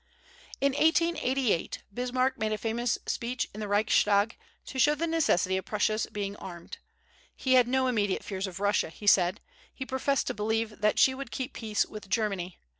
In 1888, Bismarck made a famous speech in the Reichstag to show the necessity of Prussia's being armed. He had no immediate fears of Russia, he said; he professed to believe that she would keep peace with Germany.